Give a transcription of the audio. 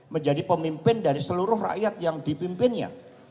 menjadi pemimpin dari seluruh rakyat yang dipimpinnya